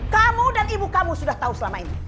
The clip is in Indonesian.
kamu dan ibu kamu sudah tahu selama ini